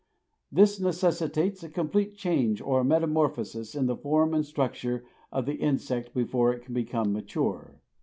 This necessitates a complete change or metamorphosis in the form and structure of the insect before it can become mature.